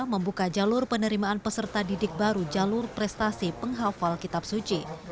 membuka jalur penerimaan peserta didik baru jalur prestasi penghafal kitab suci